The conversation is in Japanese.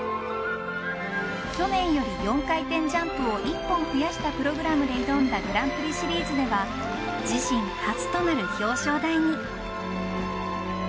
去年より４回転ジャンプを１本増やしたプログラムで挑んだグランプリシリーズでは自身初となる表彰台に。